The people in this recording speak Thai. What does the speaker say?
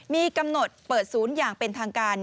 มีกำหนดเปิดศูนย์อย่างเป็นทางการ